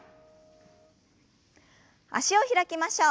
脚を開きましょう。